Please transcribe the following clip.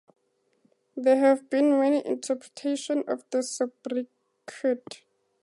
There have been many interpretations of this sobriquet.